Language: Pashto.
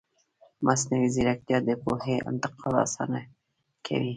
مصنوعي ځیرکتیا د پوهې انتقال اسانه کوي.